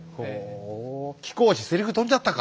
貴公子セリフ飛んじゃったか。